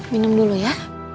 minum dulu ya